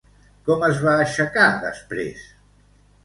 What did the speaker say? Com es va aixecar després?